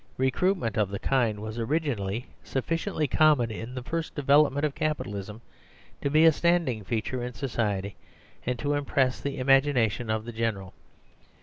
Recruitment of the kind was originally sufficiently common in the first development of Capitalism to be a standing feature in society and to impress the im agination of the general.